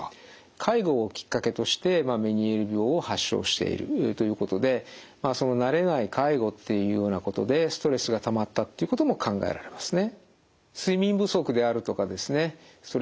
介護をきっかけとしてメニエール病を発症しているということでその慣れない介護っていうようなことでストレスがたまったということも考えられますね。